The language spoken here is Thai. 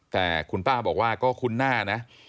แต่คุณป้าบอกว่าก็คุ้นหน้านะ